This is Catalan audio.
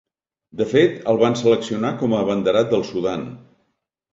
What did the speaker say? De fet, el van seleccionar com a abanderat del Sudan.